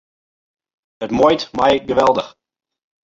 It muoit my geweldich.